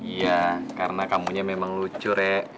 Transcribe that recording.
iya karena kamunya memang lucu rek